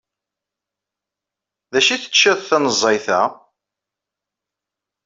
D acu teččiḍ tanezzayt-a?